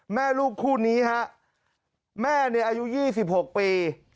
แม่ลูกคู่นี้ฮะแม่เนี่ยอายุ๒๖ปี